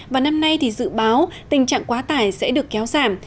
và năm nay thì dự báo tình trạng quá tải sẽ được kéo giảm